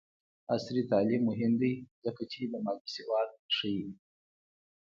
عصري تعلیم مهم دی ځکه چې د مالي سواد ښيي.